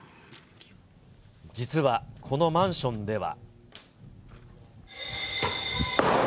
実はこのマンションでは。